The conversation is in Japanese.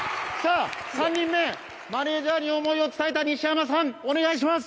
３人目、マネージャーに思いを伝えた西山さん、お願いします！